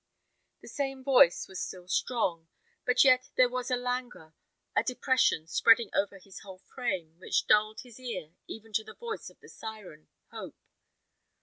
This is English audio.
The same voice was still strong, but yet there was a langour, a depression spreading over his whole frame, which dulled his ear even to the voice of the syren, Hope.